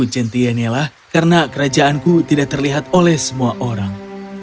gentienela karena kerajaanku tidak terlihat oleh semua orang